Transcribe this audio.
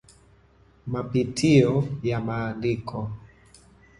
MAPITIO YA MAANDIKO